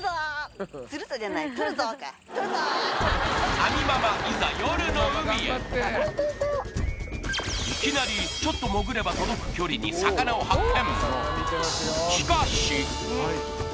亜美ママいざ夜の海へいきなりちょっと潜れば届く距離に魚を発見！